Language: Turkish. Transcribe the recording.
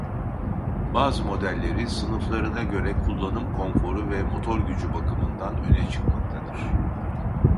Bazı modelleri sınıflarına göre kullanım konforu ve motor gücü bakımından öne çıkmaktadır.